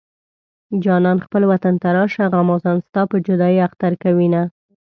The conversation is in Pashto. جانانه خپل وطن ته راشه غمازان ستا په جدايۍ اختر کوينه